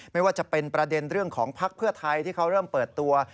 ไม่ว่าจะเป็นประเด็นเรื่องของภักดิ์เพื่อไทยที่เขาเริ่มเปิดตัว